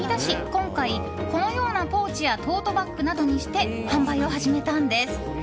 今回、このようなポーチやトートバッグなどにして販売を始めたんです。